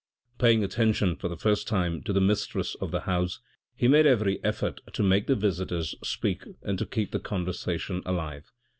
Paying attention for the first time to the mistress of the house, he made every effort to make the visitors speak and to keep the conversation alive.